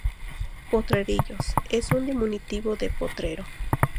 Potrerillos: es un diminutivo de potrero.